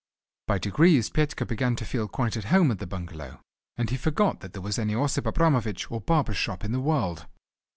By degrees Petka began to feel quite at home at the bungalow, and he forgot that there was any Osip Abramovich or barber's shop in the world.